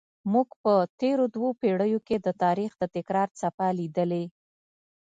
موږ په تېرو دوو پیړیو کې د تاریخ د تکرار څپه لیدلې.